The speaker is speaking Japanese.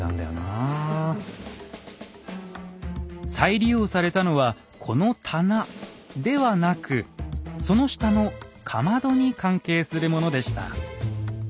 再利用されたのはこの棚ではなくその下のかまどに関係するものでした。